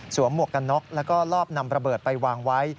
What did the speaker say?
หมวกกันน็อกแล้วก็ลอบนำระเบิดไปวางไว้